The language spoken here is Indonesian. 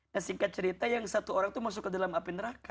nah singkat cerita yang satu orang itu masuk ke dalam api neraka